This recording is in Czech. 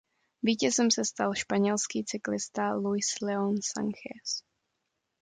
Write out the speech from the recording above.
Vítězem se stal španělský cyklista Luis León Sánchez.